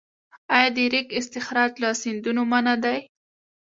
آیا د ریګ استخراج له سیندونو منع دی؟